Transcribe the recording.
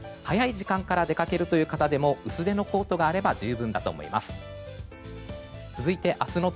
早い時間から出かけるという方も薄手のコートがあれば十分だと思います。